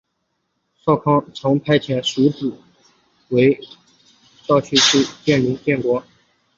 少康曾经派遣庶子无余到会稽建立越国。